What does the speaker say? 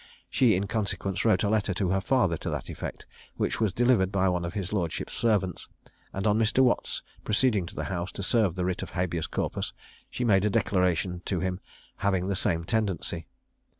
She in consequence wrote a letter to her father to that effect, which was delivered by one of his lordship's servants; and on Mr. Watts' proceeding to the house to serve the writ of habeas corpus, she made a declaration to him having the same tendency.